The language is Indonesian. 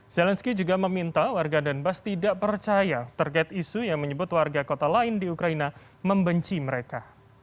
zelensky juga meminta warga donbass tidak percaya terkait isu yang menyebut warga kota lain di ukraina membenci mereka